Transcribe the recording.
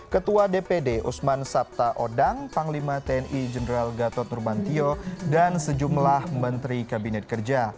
ketua dpd usman sabta odang panglima tni jenderal gatot nurmantio dan sejumlah menteri kabinet kerja